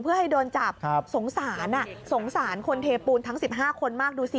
เพื่อให้โดนจับสงสารสงสารคนเทปูนทั้ง๑๕คนมากดูสิ